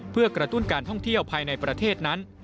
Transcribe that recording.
เพื่อกระตุ้นการท่องเที่ยวภายในประเทศนั้น